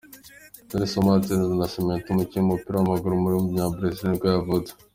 Denilson Martins Nascimento, umukinnyi w’umupira w’amaguru w’umunyabrazil nibwo yavutse.